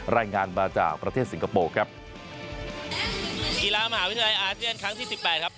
รายงานมาจากประเทศสิงคโปร์ครับกีฬามหาวิทยาลัยอาเซียนครั้งที่สิบแปดครับ